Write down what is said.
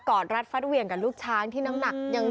อดรัดฟัดเหวี่ยงกับลูกช้างที่น้ำหนักยัง